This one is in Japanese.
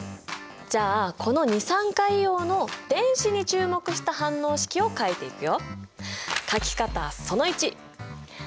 じゃあこの二酸化硫黄の電子に注目した反応式を書いていくよ。